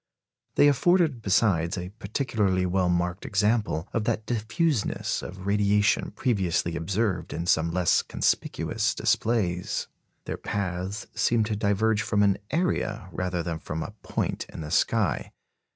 They afforded besides a particularly well marked example of that diffuseness of radiation previously observed in some less conspicuous displays. Their paths seemed to diverge from an area rather than from a point in the sky.